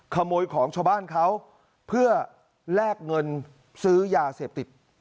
ขโมยของชาวบ้านเขาเพื่อแลกเงินซื้อยาเสพติด